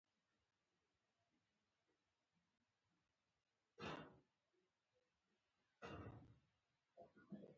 افغانستان ختیځو ولایتونو ته رسمي سفر وو.